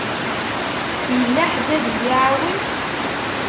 Yella ḥedd ad y-iεawen?